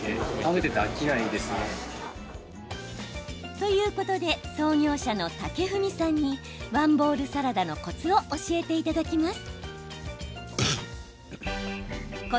ということで創業者の武文さんにワンボウルサラダのコツを教えていただきます。